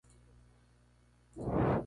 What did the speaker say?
Navegó cinco años en buques españoles.